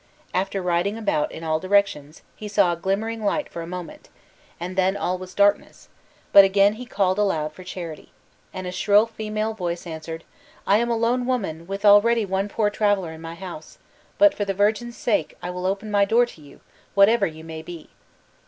After riding about in all directions, he saw a glimmering light for a moment, and then all was darkness; but again he called aloud for charity! and a shrill female voice answered, "I am a lone woman, with already one poor traveler in my house; but, for the Virgin's sake, I will open my door to you, whatever you may be."